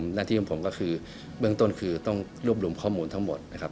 หน้าที่ของผมก็คือเบื้องต้นคือต้องรวบรวมข้อมูลทั้งหมดนะครับ